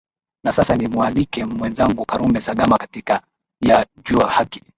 na sasa ni mwalike mwezangu karume sagama katika ya jua haki